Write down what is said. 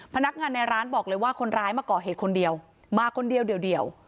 พนักงานในร้านบอกเลยว่าคนร้ายมาก่อเหตุคนเดียวมาคนเดียวเดี๋ยว